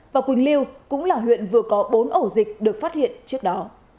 và quỳnh liêu cũng là huyện vừa có bốn ổ dịch được phát hiện trước đó